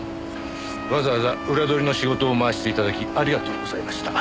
わざわざ裏取りの仕事を回して頂きありがとうございました。